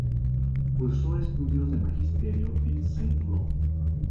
Cursó estudios de magisterio en Saint-Lô.